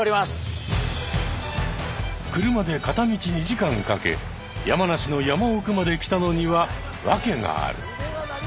車で片道２時間かけ山梨の山奥まで来たのには訳がある。